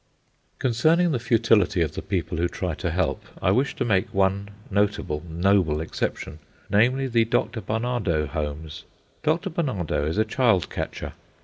Concerning the futility of the people who try to help, I wish to make one notable, noble exception, namely, the Dr. Barnardo Homes. Dr. Barnardo is a child catcher.